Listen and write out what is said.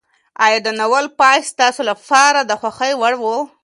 ایا د ناول پای ستاسو لپاره د خوښۍ وړ و؟